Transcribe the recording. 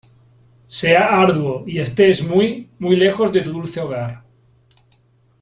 Sea arduo y estés muy , muy lejos de tu dulce hogar ...